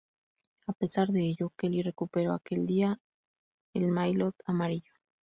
A pesar de ello, Kelly recuperó aquel día el maillot amarillo.